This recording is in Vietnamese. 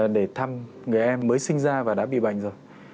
để thăm người em mới sinh ra và đã bị bệnh rồi